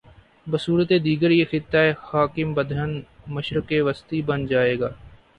بصورت دیگریہ خطہ خاکم بدہن، مشرق وسطی بن جا ئے گا۔